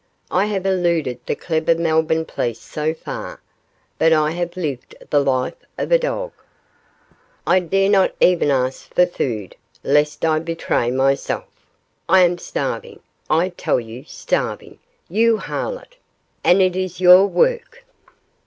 I have eluded the clever Melbourne police so far, but I have lived the life of a dog. I dare not even ask for food, lest I betray myself. I am starving! I tell you, starving! you harlot! and it is your work.